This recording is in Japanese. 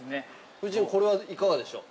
◆夫人、これはいかがでしょう？